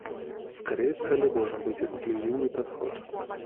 Скорее, целью должен быть инклюзивный подход.